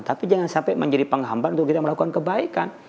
tapi jangan sampai menjadi penghambat untuk kita melakukan kebaikan